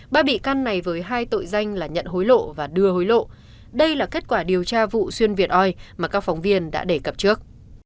ba bị can này với hai tội danh là nhận hối lộ và đưa hối lộ đây là kết quả điều tra vụ xuyên việt oi mà các phóng viên đã đề cập trước